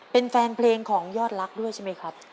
เป็นแฟนเพลงของยอดรักด้วยใช่ไหมครับ